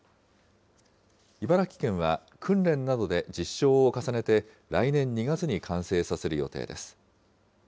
茨城県は訓練などで実証を重ねて、来年２月に完成させる予定です。